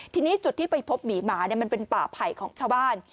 ทีนี้จุดที่ไปพบหมีหมามันเป็นป่าไผ่ของชาวบ้าน